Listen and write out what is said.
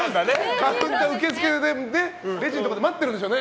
カウンター受付のレジのところで待ってるんでしょうね。